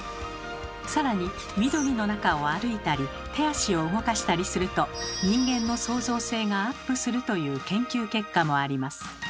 更に緑の中を歩いたり手足を動かしたりすると人間の創造性がアップするという研究結果もあります。